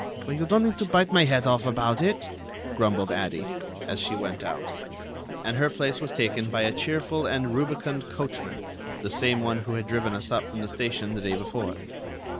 "Well, you don't need to bite my head off about it," grumbled Addie, as she went out, and her place was taken by a cheerful and rubicund coachman, the same one who had driven us up from the station the day before.